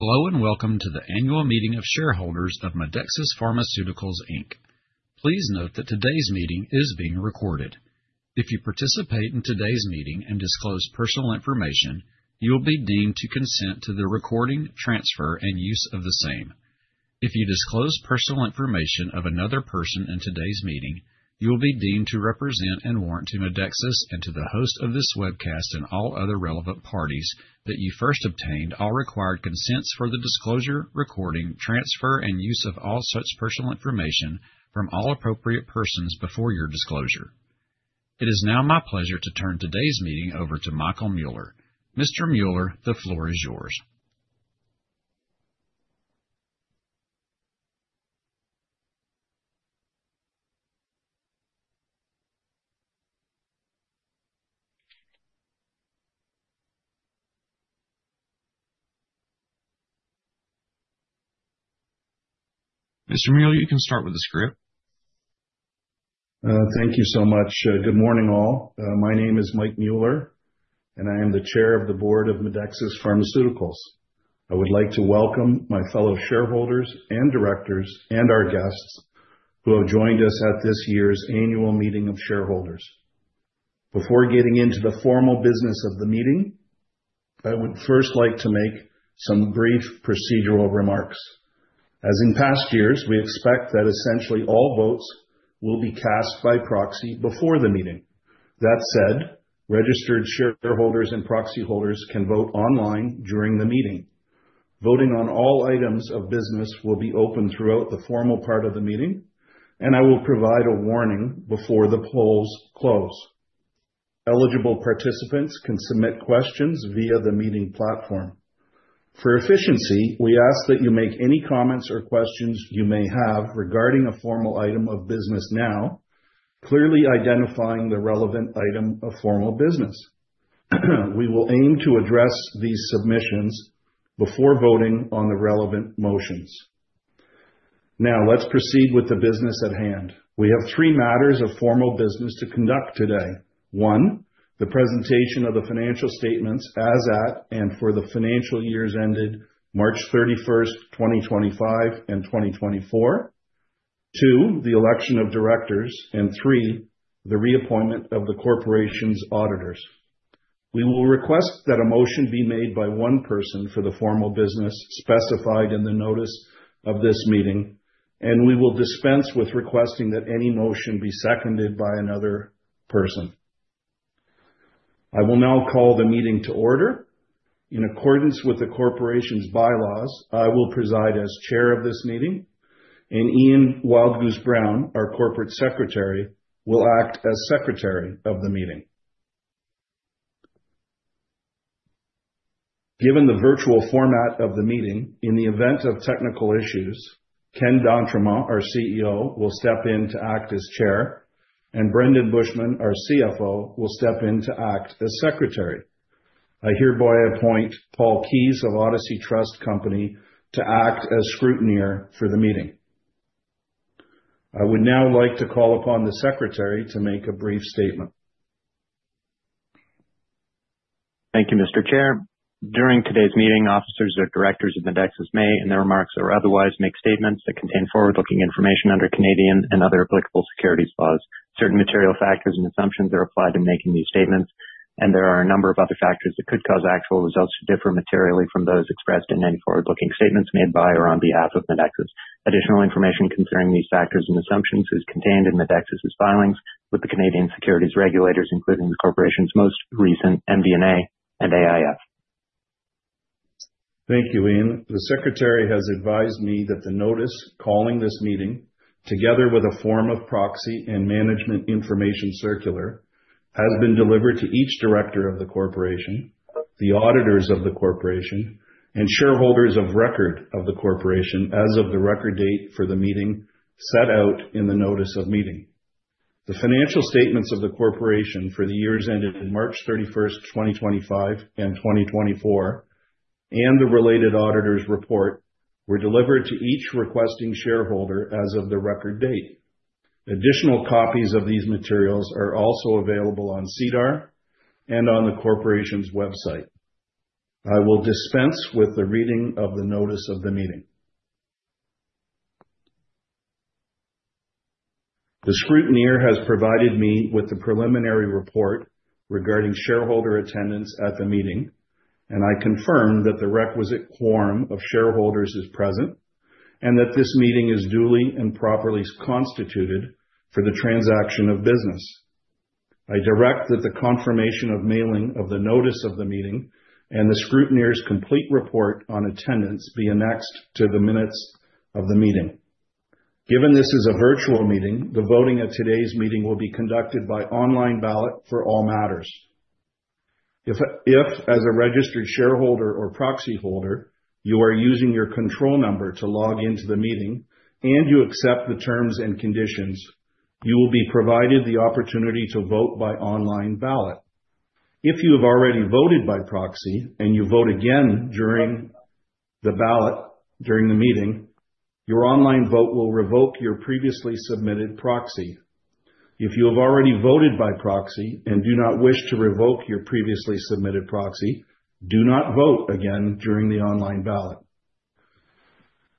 Hello, and welcome to the annual meeting of shareholders of Medexus Pharmaceuticals Inc. Please note that today's meeting is being recorded. If you participate in today's meeting and disclose personal information, you'll be deemed to consent to the recording, transfer, and use of the same. If you disclose personal information of another person in today's meeting, you will be deemed to represent and warrant to Medexus and to the host of this webcast and all other relevant parties that you first obtained all required consents for the disclosure, recording, transfer, and use of all such personal information from all appropriate persons before your disclosure. It is now my pleasure to turn today's meeting over to Michael Mueller. Mr. Mueller, the floor is yours. Mr. Mueller, you can start with the script. Thank you so much. Good morning, all. My name is Mike Mueller, and I am the Chair of the Board of Medexus Pharmaceuticals. I would like to welcome my fellow shareholders and directors, and our guests who have joined us at this year's annual meeting of shareholders. Before getting into the formal business of the meeting, I would first like to make some brief procedural remarks. As in past years, we expect that essentially all votes will be cast by proxy before the meeting. That said, registered shareholders and proxy holders can vote online during the meeting. Voting on all items of business will be open throughout the formal part of the meeting, and I will provide a warning before the polls close. Eligible participants can submit questions via the meeting platform. For efficiency, we ask that you make any comments or questions you may have regarding a formal item of business now, clearly identifying the relevant item of formal business. We will aim to address these submissions before voting on the relevant motions. Now, let's proceed with the business at hand. We have three matters of formal business to conduct today. One, the presentation of the financial statements as at and for the financial years ended March 31, 2025, and 2024. Two, the election of directors. And three, the reappointment of the corporation's auditors. We will request that a motion be made by one person for the formal business specified in the notice of this meeting, and we will dispense with requesting that any motion be seconded by another person. I will now call the meeting to order. In accordance with the corporation's bylaws, I will preside as chair of this meeting, and Ian Wildgoose Brown, our corporate secretary, will act as secretary of the meeting. Given the virtual format of the meeting, in the event of technical issues, Ken d'Entremont, our CEO, will step in to act as chair, and Brendon Buschman, our CFO, will step in to act as secretary. I hereby appoint Paul Keyes of Odyssey Trust Company to act as scrutineer for the meeting. I would now like to call upon the secretary to make a brief statement. Thank you, Mr. Chair. During today's meeting, officers or directors of Medexus may, in their remarks or otherwise, make statements that contain forward-looking information under Canadian and other applicable securities laws. Certain material factors and assumptions are applied in making these statements, and there are a number of other factors that could cause actual results to differ materially from those expressed in any forward-looking statements made by or on behalf of Medexus. Additional information concerning these factors and assumptions is contained in Medexus' filings with the Canadian securities regulators, including the corporation's most recent MD&A and AIF. Thank you, Ian. The secretary has advised me that the notice calling this meeting, together with a form of proxy and management information circular, has been delivered to each director of the corporation, the auditors of the corporation, and shareholders of record of the corporation as of the record date for the meeting set out in the notice of meeting. The financial statements of the corporation for the years ended March thirty-first, 2025 and 2024, and the related auditors' report were delivered to each requesting shareholder as of the record date. Additional copies of these materials are also available on SEDAR and on the corporation's website. I will dispense with the reading of the notice of the meeting. The scrutineer has provided me with the preliminary report regarding shareholder attendance at the meeting, and I confirm that the requisite quorum of shareholders is present and that this meeting is duly and properly constituted for the transaction of business. I direct that the confirmation of mailing of the notice of the meeting and the scrutineer's complete report on attendance be annexed to the minutes of the meeting. Given this is a virtual meeting, the voting at today's meeting will be conducted by online ballot for all matters. If, as a registered shareholder or proxy holder, you are using your control number to log into the meeting and you accept the terms and conditions, you will be provided the opportunity to vote by online ballot. If you have already voted by proxy and you vote again during the ballot, during the meeting, your online vote will revoke your previously submitted proxy. If you have already voted by proxy and do not wish to revoke your previously submitted proxy, do not vote again during the online ballot.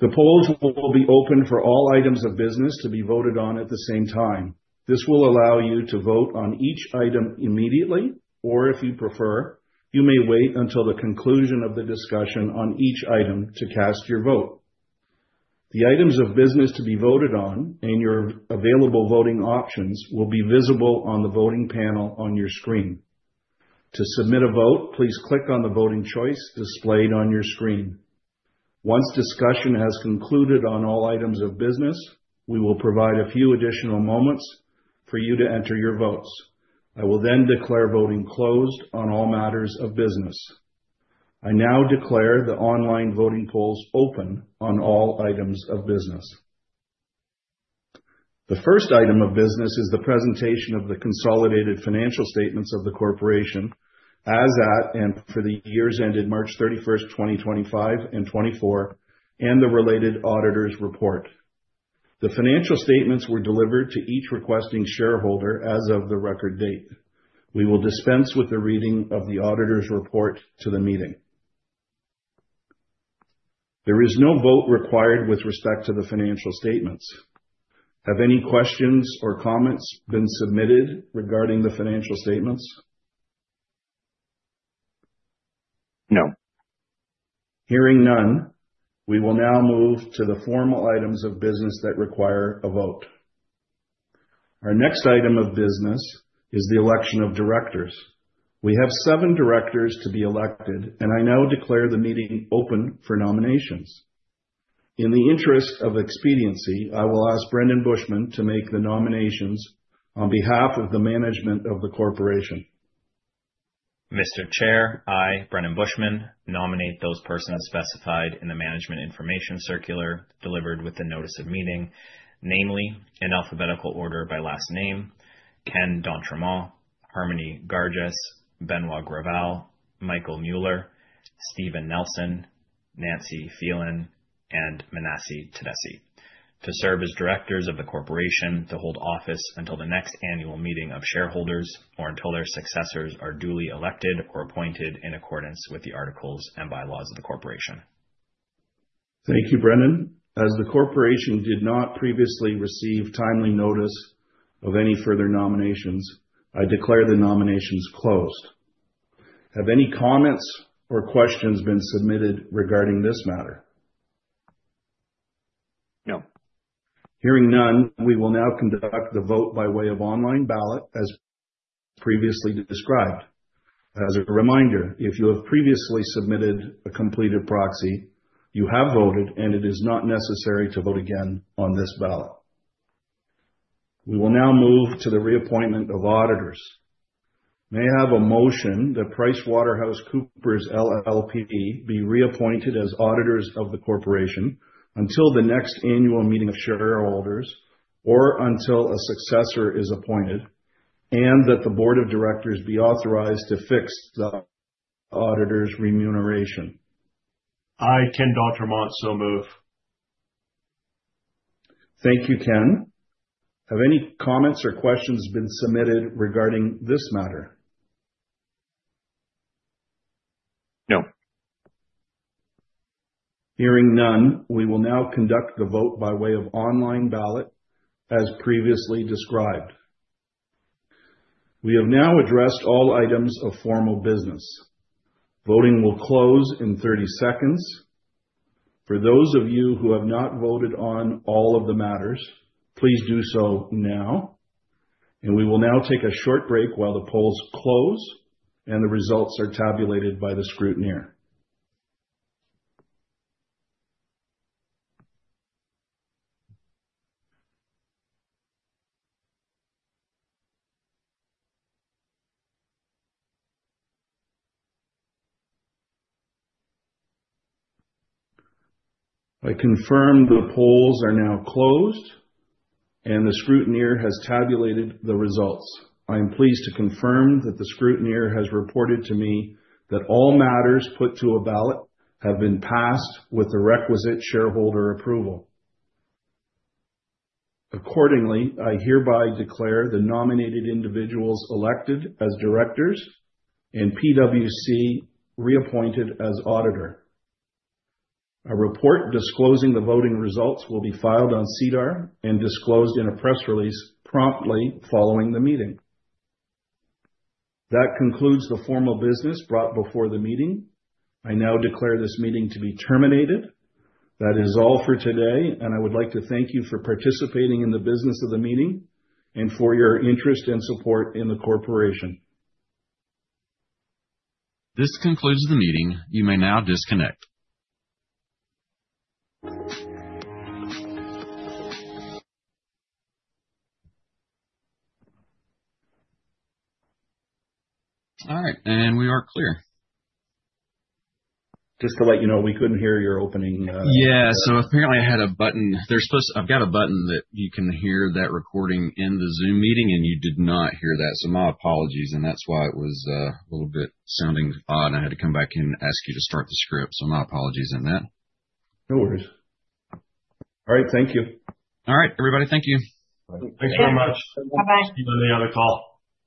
The polls will be open for all items of business to be voted on at the same time. This will allow you to vote on each item immediately, or if you prefer, you may wait until the conclusion of the discussion on each item to cast your vote. The items of business to be voted on and your available voting options will be visible on the voting panel on your screen. To submit a vote, please click on the voting choice displayed on your screen. Once discussion has concluded on all items of business, we will provide a few additional moments for you to enter your votes. I will then declare voting closed on all matters of business. I now declare the online voting polls open on all items of business. The first item of business is the presentation of the consolidated financial statements of the corporation as at and for the years ended March 31st, 2025 and 2024, and the related auditor's report. The financial statements were delivered to each requesting shareholder as of the record date. We will dispense with the reading of the auditor's report to the meeting. There is no vote required with respect to the financial statements. Have any questions or comments been submitted regarding the financial statements? No. Hearing none, we will now move to the formal items of business that require a vote. Our next item of business is the election of directors. We have seven directors to be elected, and I now declare the meeting open for nominations. In the interest of expediency, I will ask Brendon Buschman to make the nominations on behalf of the management of the corporation. Mr. Chair, I, Brendon Buschman, nominate those persons specified in the management information circular delivered with the notice of meeting, namely, in alphabetical order by last name, Ken d'Entremont, Harmony Garges, Benoit Gravel, Michael Mueller, Stephen Nelson, Nancy Phelan, and Menassie Taddese, to serve as directors of the corporation to hold office until the next annual meeting of shareholders or until their successors are duly elected or appointed in accordance with the articles and bylaws of the corporation. Thank you, Brendon. As the corporation did not previously receive timely notice of any further nominations, I declare the nominations closed. Have any comments or questions been submitted regarding this matter? No. Hearing none, we will now conduct the vote by way of online ballot as previously described. As a reminder, if you have previously submitted a completed proxy, you have voted and it is not necessary to vote again on this ballot. We will now move to the reappointment of auditors. May I have a motion that PricewaterhouseCoopers LLP be reappointed as auditors of the corporation until the next annual meeting of shareholders or until a successor is appointed, and that the board of directors be authorized to fix the auditor's remuneration? I, Ken d'Entremont, so move. Thank you, Ken. Have any comments or questions been submitted regarding this matter? No. Hearing none, we will now conduct the vote by way of online ballot as previously described. We have now addressed all items of formal business. Voting will close in 30 seconds. For those of you who have not voted on all of the matters, please do so now, and we will now take a short break while the polls close and the results are tabulated by the scrutineer. I confirm the polls are now closed and the scrutineer has tabulated the results. I am pleased to confirm that the scrutineer has reported to me that all matters put to a ballot have been passed with the requisite shareholder approval. Accordingly, I hereby declare the nominated individuals elected as directors and PwC reappointed as auditor. A report disclosing the voting results will be filed on SEDAR and disclosed in a press release promptly following the meeting. That concludes the formal business brought before the meeting. I now declare this meeting to be terminated. That is all for today, and I would like to thank you for participating in the business of the meeting and for your interest and support in the corporation. This concludes the meeting. You may now disconnect. All right. We are clear.